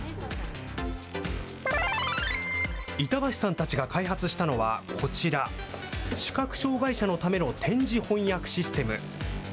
板橋さんたちが開発したのはこちら、視覚障害者のための点字翻訳システム。